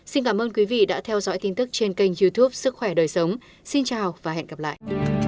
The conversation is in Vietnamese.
xin cảm ơn quý vị đã theo dõi tin tức trên kênh youtube sức khỏe đời sống xin chào và hẹn gặp lại